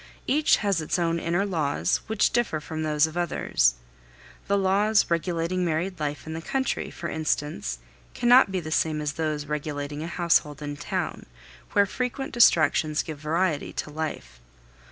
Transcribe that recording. Each has its own inner laws which differ from those of others. The laws regulating married life in the country, for instance, cannot be the same as those regulating a household in town, where frequent distractions give variety to life.